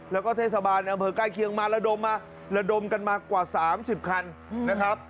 แล้วก็เทศบาลอำเภอใกล้เคียงมาระดมมาระดมกันมากว่า๓๐คันนะครับ